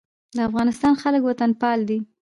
د افغانستان خلک وطنپال دي